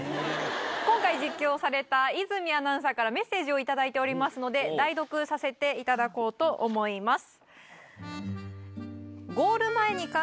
今回実況をされた泉アナウンサーからメッセージを頂いておりますので代読させていただこうと思います。